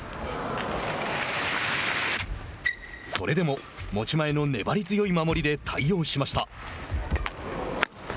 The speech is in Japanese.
それでも持ち前の粘り強い守りで対応しました。